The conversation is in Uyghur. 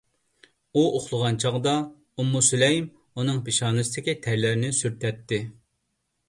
ئۇ ئۇخلىغان چاغدا، ئۇممۇ سۇلەيم ئۇنىڭ پېشانىسىدىكى تەرلەرنى سۈرتەتتى.